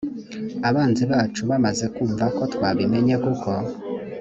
abanzi bacu bamaze kumva ko twabimenye kuko